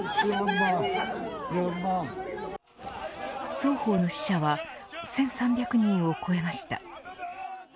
双方の死者は１３００人を超えました。